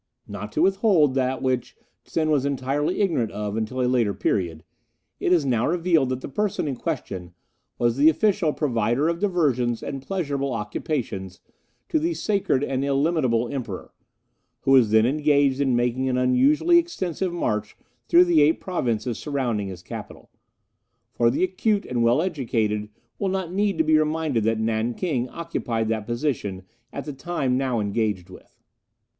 "Not to withhold that which Sen was entirely ignorant of until a later period, it is now revealed that the person in question was the official Provider of Diversions and Pleasurable Occupations to the sacred and illimitable Emperor, who was then engaged in making an unusually extensive march through the eight Provinces surrounding his Capital for the acute and well educated will not need to be reminded that Nanking occupied that position at the time now engaged with.